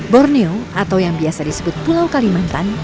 borneo atau yang biasa disebut pulau kalimantan